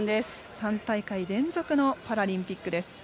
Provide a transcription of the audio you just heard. ３大会連続のパラリンピックです。